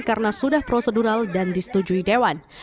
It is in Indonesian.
karena sudah prosedural dan disetujui dewan